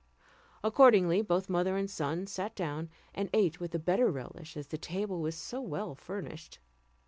Accordingly, both mother and son sat down and ate with the better relish as the table was so well furnished.